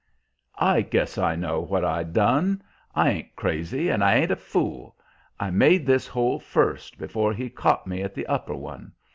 "I guess I know what I done. I ain't crazy, and I ain't a fool. I made this hole first, before he caught me at the upper one.